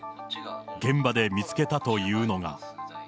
現場で見つけたというのが。